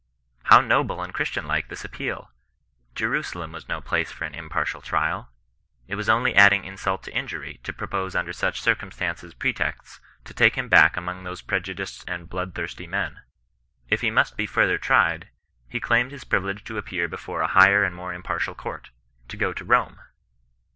How noble and Christian like this appeal ! Jerusalem was no place for an impartial trial. It was only adding insult to injury, to propose under such circumstances pretexts, to take him back among those prejudiced and blood thirsty men. If he must be further tried, he claimed his privilege to appear before a higher and more impartial court — ^to go to Rome.